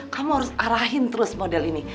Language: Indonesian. kamu harus arahin terus model ini